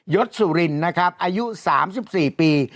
ศสุรินนะครับอายุ๓๔ปี